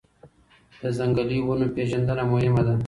د ځنګلي ونو پېژندنه مهمه ده.